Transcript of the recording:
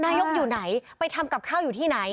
นายกอยู่ไหนไปทำกับข้าวอยู่ที่ไหน